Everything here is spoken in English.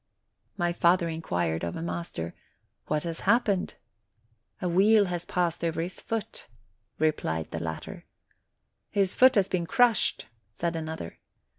My father inquired of a master, "What has happened?" "A wheel has passed over his foot/' replied the latter. "His foot has been crushed," said another.